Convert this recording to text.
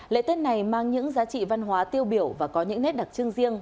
lễ tết này mang những giá trị văn hóa tiêu biểu và có những nét đặc trưng riêng